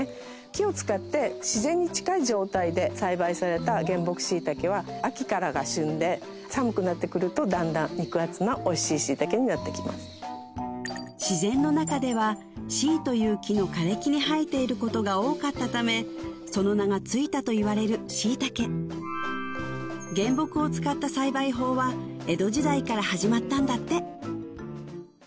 木を使って自然に近い状態で栽培された原木しいたけは秋からが旬で自然の中では椎という木の枯れ木に生えていることが多かったためその名がついたといわれるしいたけ原木を使った栽培法は江戸時代から始まったんだって